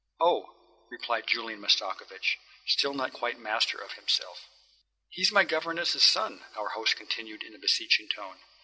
"Oh," replied Julian Mastakovich, still not quite master of himself. "He's my governess's son," our host continued in a beseeching tone.